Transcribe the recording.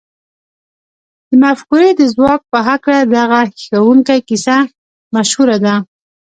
د مفکورې د ځواک په هکله دغه هيښوونکې کيسه مشهوره ده.